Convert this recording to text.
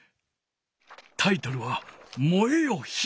タイトルは「燃えよ火」！